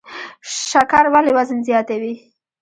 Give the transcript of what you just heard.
شکر ولې وزن زیاتوي؟